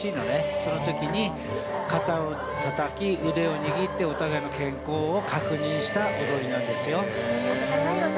そのときに肩をたたき、腕を握ってお互いの健康を確認した踊りなんですよ。